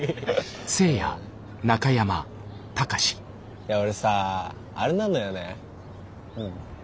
いや俺さあれなのよね。